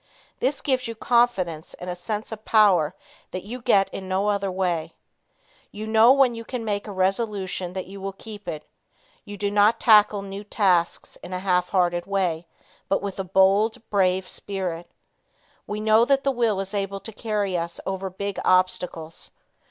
This gives you confidence and a sense of power that you get in no other way. You know when you make a resolution that you will keep it. You do not tackle new tasks in a half hearted way, but with a bold, brave spirit. We know that the will is able to carry us over big obstacles.